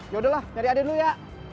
ya udahlah cari adik dulu ya